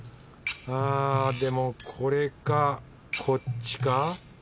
あでもこれかこっちか？